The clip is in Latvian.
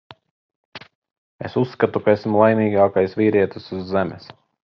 Es uzskatu, ka esmu laimīgākais vīrietis uz Zemes.